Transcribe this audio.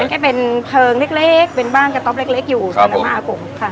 เป็นแค่เป็นเพลิงเล็กเป็นบ้านกระต๊อบเล็กอยู่อามากรุงค่ะ